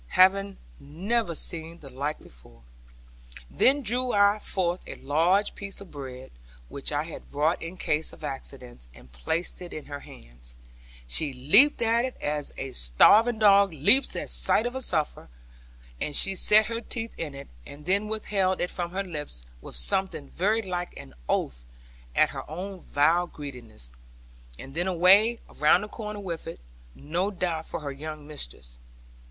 having never seen the like before. Then drew I forth a large piece of bread, which I had brought in case of accidents, and placed it in her hands. She leaped at it, as a starving dog leaps at sight of his supper, and she set her teeth in it, and then withheld it from her lips, with something very like an oath at her own vile greediness; and then away round the corner with it, no doubt for her young mistress.